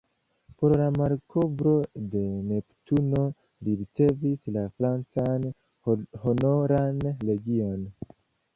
Por la malkovro de Neptuno li ricevis la francan Honoran Legion.